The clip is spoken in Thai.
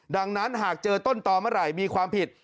ดังนั้นหากเจอต้นต่อเมื่อไหร่มีความผิด